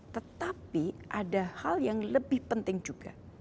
tetapi ada hal yang lebih penting juga